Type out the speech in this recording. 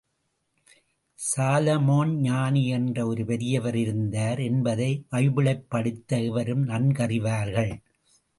Solomon ஞானி என்று ஒரு பெரியவர் இருந்தார் என்பதை பைபிளைப் படித்த எவரும் நன்கறிவார்கள்.